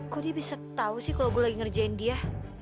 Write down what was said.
kok dia bisa tahu sih kalau gue lagi ngerjain dia